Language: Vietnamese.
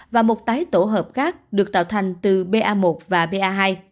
và một tái tổ hợp khác được tạo thành từ ba một và ba hai